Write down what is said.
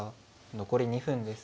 残り２分です。